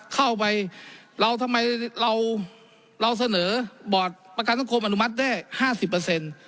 เข้าไปเราทำไมเราเราเสนอบอร์ดประกันสังคมอนุมัติได้ห้าสิบเปอร์เซ็นต์